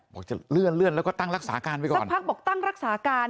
บอกจะเลื่อนแล้วก็ตั้งรักษาการไว้ก่อนสักพักบอกตั้งรักษาการ